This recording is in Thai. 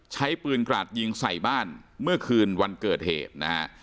ใช้ปืนกราดยิงใส่บ้านเมื่อคืนวันเกิดเหตุนะฮะ